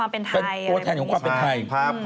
เป็นตัวแทนของความเป็นไทย